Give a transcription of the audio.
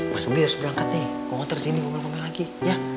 mas bobi harus berangkat nih mau motor sini mau ngomel ngomel lagi ya